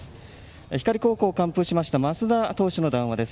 彦根総合高校を完封しました升田投手の談話です。